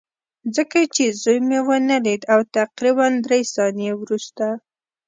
ځکه چې زوی مې ونه لید او تقریبا درې ثانیې وروسته